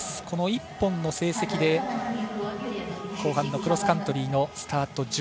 この１本の成績で後半のクロスカントリーのスタート